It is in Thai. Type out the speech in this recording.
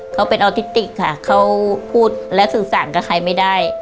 เขาเป็นออทิติกค่ะเขาพูดและสื่อสารกับใครไม่ได้